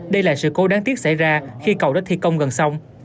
đây là sự cố đáng tiếc xảy ra khi cầu đã thi công gần sông